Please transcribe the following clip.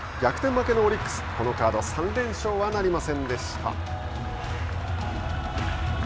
負けのオリックスこのカード３連勝はなりませんでした。